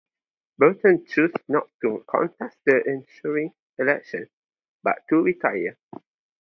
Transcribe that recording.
Bunton chose not to contest the ensuing election but to retire.